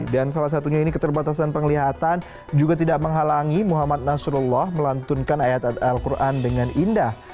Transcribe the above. dan salah satunya ini keterbatasan penglihatan juga tidak menghalangi muhammad nasrullah melantunkan ayat al quran dengan indah